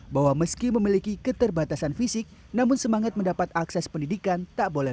bahwa meski memiliki keterbatasan fisik namun semangat mendapat akses pendidikan tak boleh